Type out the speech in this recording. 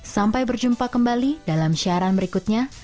sampai berjumpa kembali dalam siaran berikutnya